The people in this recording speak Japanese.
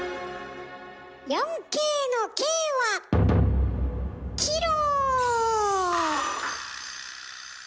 ４Ｋの「Ｋ」はキロ！